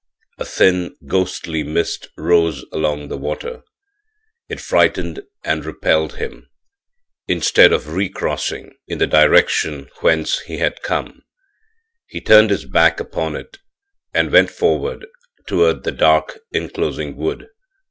A thin, ghostly mist rose along the water. It frightened and repelled him; instead of recrossing, in the direction whence he had come, he turned his back upon it, and went forward toward the dark inclosing wood.